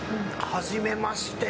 初めまして！